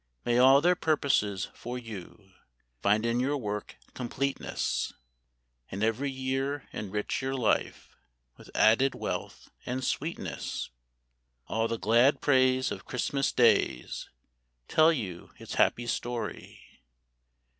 May all their purposes for you Find in your work completeness, And every year enrich your life With added wealth and sweetness ! All the glad praise of Christmas days Tell you its happy story